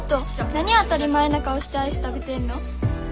何当たり前な顔してアイス食べてんの。